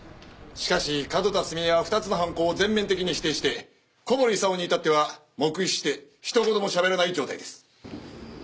しかし角田澄江は２つの犯行を全面的に否定して小堀功に至っては黙秘してひと言もしゃべらない状態です。